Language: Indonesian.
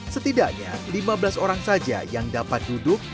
setidaknya lima belas orang saja yang dapat duduk